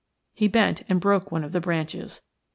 He bent and broke one of the branches.